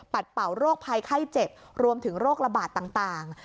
เป่าโรคภัยไข้เจ็บรวมถึงโรคระบาดต่าง